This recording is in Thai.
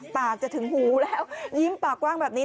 ปากจะถึงหูแล้วยิ้มปากกว้างแบบนี้